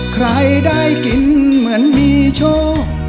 ใครได้กินเหมือนมีโชค